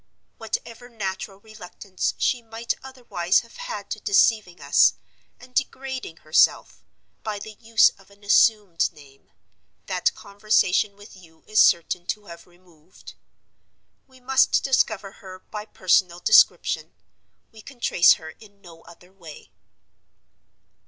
Whatever natural reluctance she might otherwise have had to deceiving us, and degrading herself, by the use of an assumed name, that conversation with you is certain to have removed. We must discover her by personal description—we can trace her in no other way.